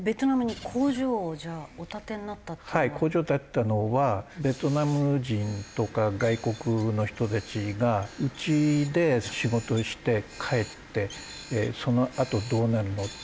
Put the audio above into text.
工場を建てたのはベトナム人とか外国の人たちがうちで仕事をして帰ってそのあとどうなるの？って。